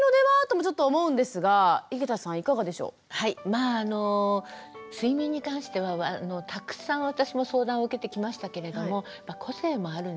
まああの睡眠に関してはたくさん私も相談を受けてきましたけれども個性もあるんですよ。